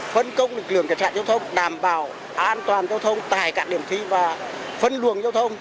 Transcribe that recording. phân công lực lượng cảnh sát châu thông đảm bảo an toàn châu thông tại các điểm thi và phân luồng châu thông